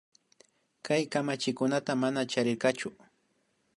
Kay kamachikunata mana charirkachu